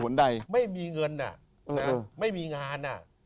ไม่มีเงินแหละไม่มีงานหน้า